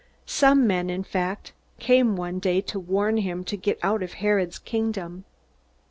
Some men, in fact, came one day to warn him to get out of Herod's kingdom.